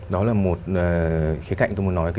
đó là một khía cạnh tôi muốn nói